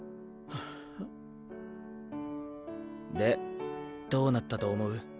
でどうなったと思う？